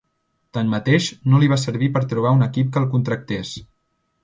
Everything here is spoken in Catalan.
Tanmateix, no li va servir per trobar un equip que el contractés.